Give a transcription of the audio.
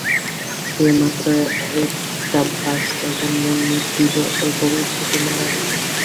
সে মাত্রই একটা বাচ্চার জন্ম দিলো এবং সেটি মারা গেল।